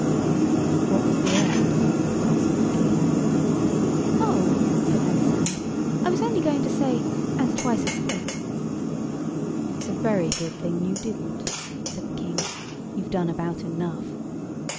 "What was the end?" asked the King. "Oh," said Melisande, "I was only going to say, 'and twice as thick.'" "It's a very good thing you didn't," said the King. "You've done about enough."